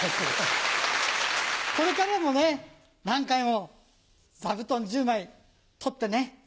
これからもね何回も座布団１０枚取ってね。